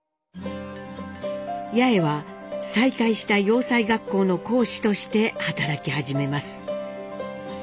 八重は再開した洋裁学校の講師として働き始めます。